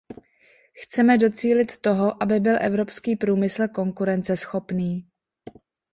Chceme docílit toho, aby byl evropský průmysl konkurenceschopný.